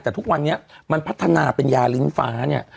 แต่ทุกวันนี้มันพัฒนาเป็นยาลิ้นฟ้าเนี่ย